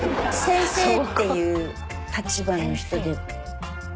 先生っていう立場の人で。